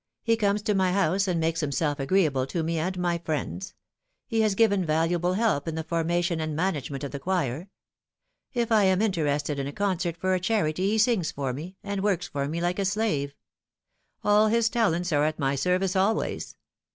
He comes to my house, and makes himself agreeable to me and my friends. He has given valuable help in the formation and manage ment of the choir. If I am interested in a concert for a charity he sings for me, and works for me like a slave. All his talents are at my service always.